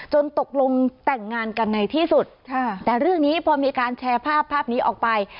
ตกลงแต่งงานกันในที่สุดแต่เรื่องนี้พอมีการแชร์ภาพภาพนี้ออกไป